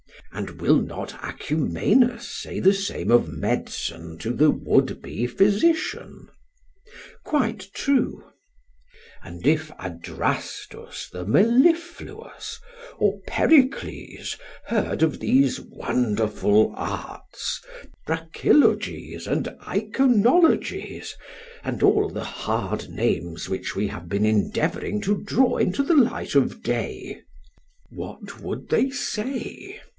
and will not Acumenus say the same of medicine to the would be physician? PHAEDRUS: Quite true. SOCRATES: And if Adrastus the mellifluous or Pericles heard of these wonderful arts, brachylogies and eikonologies and all the hard names which we have been endeavouring to draw into the light of day, what would they say?